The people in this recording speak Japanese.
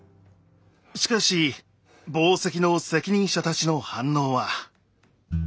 しかし紡績の責任者たちの反応は。